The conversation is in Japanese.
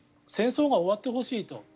戦争が終わってほしいと。